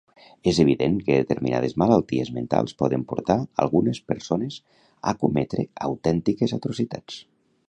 És evident que determinades malalties mentals poden portar algunes persones a cometre autèntiques atrocitats.